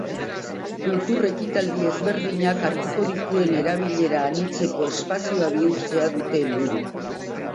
Kultur ekitaldi ezberdinak hartuko dituen erabilera anitzeko espazioa bihurtzea dute helburu.